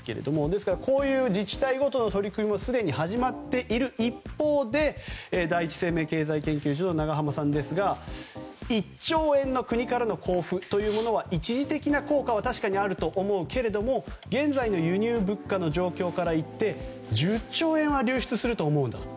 ですから、こういう自治体ごとの取り組みもすでに始まっているその一方で第一生命経済研究所の永濱さんですが１兆円の国からの交付というものは一時的な効果は確かにあると思うけれど現在の輸入物価の状況からいって１０兆円は流出すると思うんだと。